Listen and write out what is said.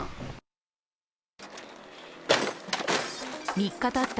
３日たった